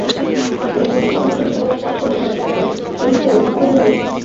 নিজেকে সাধারণের মধ্যে অনন্য করে তুলতে চাইলে আপনার পরিশ্রমের বিকল্প নেই।